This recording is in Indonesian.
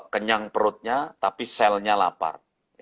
kenyang perutnya tapi selnya lapar